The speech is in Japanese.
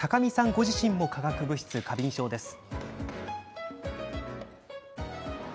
ご自身も化学物質過敏症です。